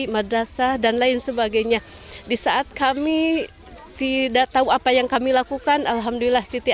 madrasah dan lain sebagainya di saat kami tidak tahu apa yang kami lakukan alhamdulillah siti